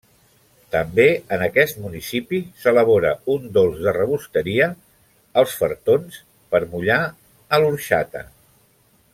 També, en aquest municipi, s'elabora un dolç de rebosteria, els fartons, per mullar a l'orxata.